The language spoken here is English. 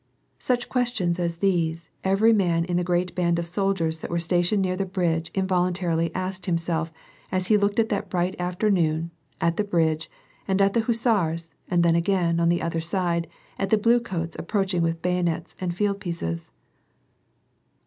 " Such questions as these, every man in the great band of sol diers that were stationed near the bridge involuntarily asked himself, as he looked that bright afternoon, at the bridge, and at the hussars, and then again, on the other side, at the blue coats approaching with bayonets and field pieces.